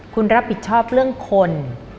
คุณรับผิดชอบเรื่องคน